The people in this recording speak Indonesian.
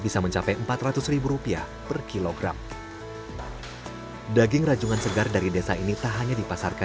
sampai ke kota makassar